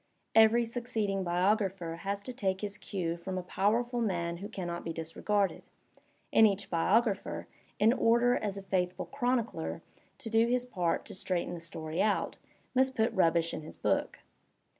Every succeeding biographer has to take his cue from a powerful man who can not be disregarded; and each biographer, in order as a faithful chronicler to do his part to straighten the stoiy out, must put rubbish in his book.